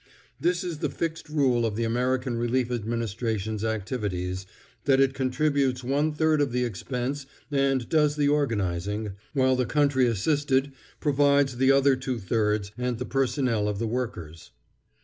This is the fixed rule of the American Relief Administration's activities, that it contributes one third of the expense and does the organising, while the country assisted provides the other two thirds and the personnel of the workers.